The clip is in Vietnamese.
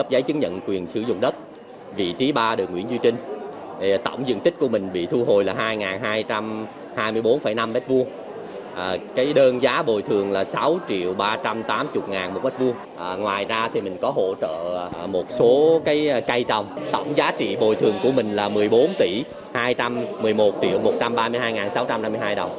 giá trị bồi thường của mình là một mươi bốn tỷ hai trăm một mươi một triệu một trăm ba mươi hai ngàn sáu trăm năm mươi hai đồng